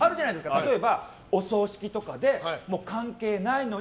例えば、お葬式とかで関係ないのに